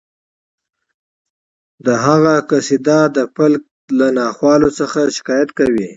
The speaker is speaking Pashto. د هغه قصیده د فلک له ناخوالو څخه شکایت کوي